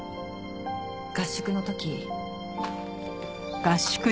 合宿の時。